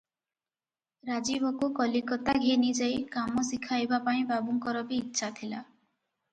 ରାଜୀବକୁ କଲିକତା ଘେନିଯାଇ କାମ ଶିଖାଇବାପାଇଁ ବାବୁଙ୍କର ବି ଇଚ୍ଛା ଥିଲା |